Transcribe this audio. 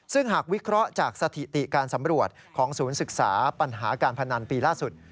ซึ่งหากวิเคราะห์จากสถิติการสำรวจของศูนย์ศึกษาปัญหาการพนันปีล่าสุด